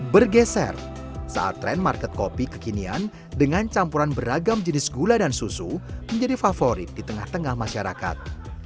bergeser saat tren market kopi kekinian dengan campuran beragam jenis gula dan susu menjadi favorit di tengah tengah masyarakat